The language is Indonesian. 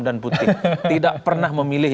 dan putih tidak pernah memilih